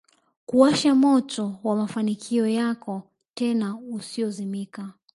kuwasha moto wa mafanikio yako tena usiozimika